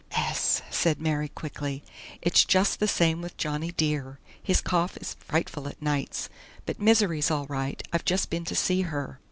"Ess," said Mary quickly, "It's just the same with Johnny Dear; his cough is f'ightful at nights. But Misery's all right. I've just been to see her."